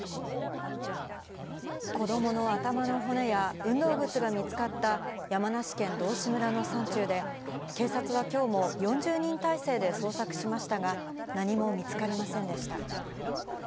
子どもの頭の骨や運動靴が見つかった、山梨県道志村の山中で、警察はきょうも、４０人態勢で捜索しましたが、何も見つかりませんでした。